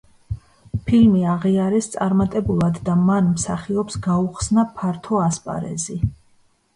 ფილმი აღიარეს წარმატებულად და მან მსახიობს გაუხსნა ფართო ასპარეზი.